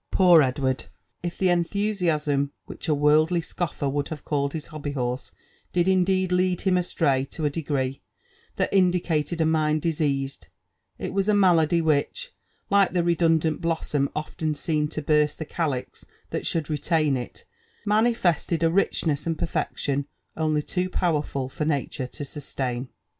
Poor Edward !— if the enthusiasm which a worldly scoffer would have called his hobby horse did indeed lead him astray to a degree that indicated a mind diseased, it was a malady which, like the re dundant blossom often seen to burst the calix that should retain it, manifested a richness and perfection only too powerful for nature to sustain.